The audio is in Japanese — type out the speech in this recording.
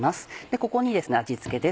ここに味付けです。